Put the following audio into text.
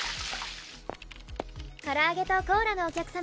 唐揚げとコーラのお客様。